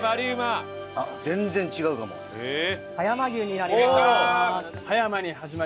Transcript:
葉山牛になります。